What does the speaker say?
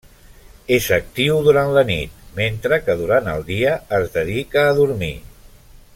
És actiu durant la nit mentre que durant el dia es dedica a dormir.